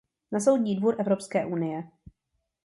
Na Soudní dvůr Evropské unie.